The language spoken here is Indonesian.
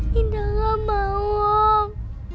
tidak pak om